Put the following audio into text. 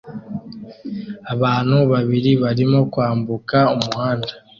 Abantu babiri barimo kwambuka umuhanda